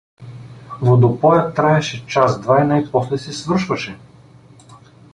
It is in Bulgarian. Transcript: Водопоят траеше час-два и най-после се свършваше.